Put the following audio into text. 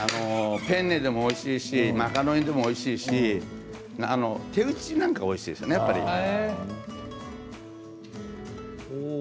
ペンネでもおいしいしマカロニでもおいしいし手打ちなんかおいしいですねやっぱり。